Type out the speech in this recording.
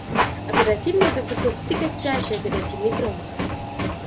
Оперативник допустил тягчайший оперативный промах.